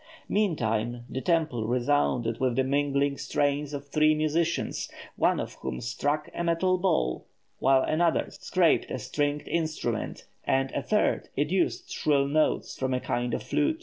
Meantime, the temple resounded with the mingling strains of three musicians, one of whom struck a metal ball, while another scraped a stringed instrument, and a third educed shrill notes from a kind of flute.